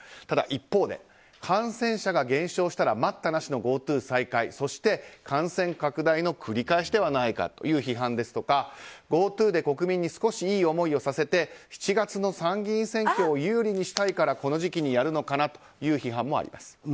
ただ、一方で感染者が減少したら待ったなしのＧｏＴｏ再開そして、感染拡大の繰り返しではないかという批判ですとか、ＧｏＴｏで国民に少しいい思いをさせて７月の参議院選挙を有利にしたいから、この時期にやるのかな？という批判もあります。